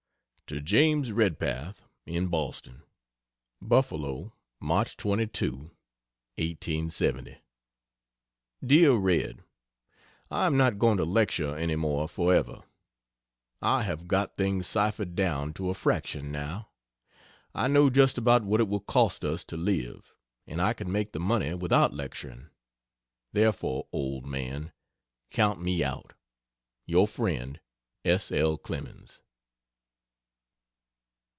To James Redpath, in Boston: BUFFALO, March 22, 1890. DEAR RED, I am not going to lecture any more forever. I have got things ciphered down to a fraction now. I know just about what it will cost us to live and I can make the money without lecturing. Therefore old man, count me out. Your friend, S. L. CLEMENS.